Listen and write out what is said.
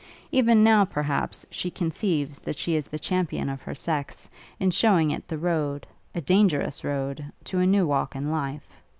Even now, perhaps, she conceives that she is the champion of her sex, in shewing it the road, a dangerous road! to a new walk in life.